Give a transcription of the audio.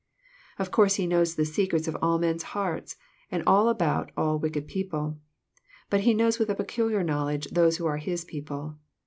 Of course He knows the secrets of all men's hearts, and all about all wicked people. But He knows with a peculiar knowledge those who are His people.